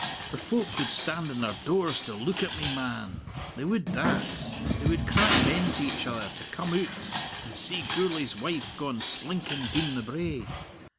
The folk would stand in their doors to look at me, man they would that they would cry ben to each other to come oot and see Gourlay's wife gaun slinkin' doon the brae.